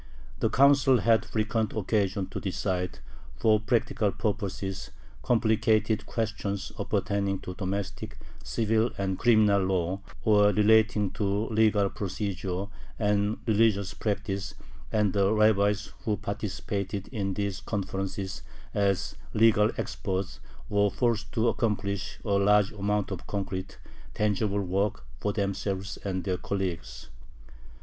The Council had frequent occasion to decide, for practical purposes, complicated questions appertaining to domestic, civil, and criminal law, or relating to legal procedure and religious practice, and the rabbis who participated in these conferences as legal experts were forced to accomplish a large amount of concrete, tangible work for themselves and their colleagues.